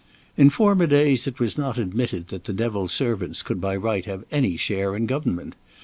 In former days it was not admitted that the devil's servants could by right have any share in government.